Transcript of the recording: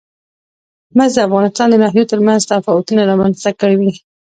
مس د افغانستان د ناحیو ترمنځ تفاوتونه رامنځ ته کوي.